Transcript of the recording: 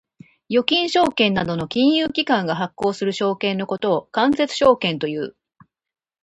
預金証券などの金融機関が発行する証券のことを間接証券という。